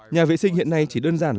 nhà vệ sinh hiện nay chỉ đơn giản